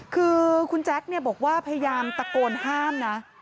คือคุณแจ๊คบอกว่าพยายามตะโกนห้ามนะ